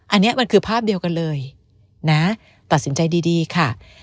อันนี้มันคือภาพเดียวกันเลยนะตัดสินใจดีค่ะ